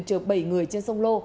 trượt bảy người trên sông lô